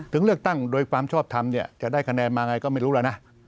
เลือกตั้งโดยความชอบทำเนี่ยจะได้คะแนนมาไงก็ไม่รู้แล้วนะ